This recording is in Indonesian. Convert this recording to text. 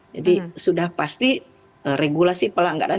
jadi sudah pasti regulasi pelanggaran